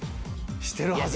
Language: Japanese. してるはず。